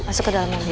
masuk ke dalam mobil